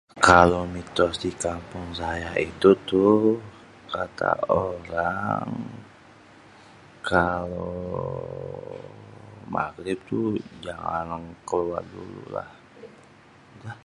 Kalo mitos di kampung saya tuh, kata orang kalo magrib tuh, jangan keluar dulu lah dah.